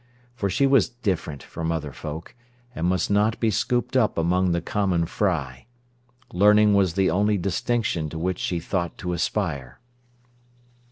For she was different from other folk, and must not be scooped up among the common fry. Learning was the only distinction to which she thought to aspire.